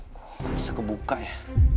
aku gak bisa kebuka ya